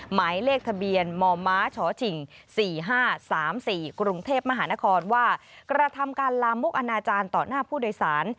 หมายเลขทะเบียนมมชชิง๔๕๓๔กรุงเทพมหานครว่ากระทำการลามกอนาจารย์ต่อหน้าผู้โดยสาร